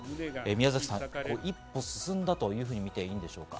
宮崎さん、一歩進んだと見ていいんでしょうか？